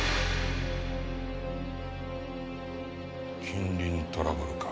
近隣トラブルか。